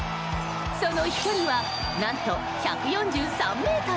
その飛距離は何と１４３ｍ。